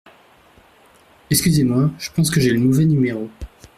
Excusez-moi, je pense que j’ai le mauvais numéro.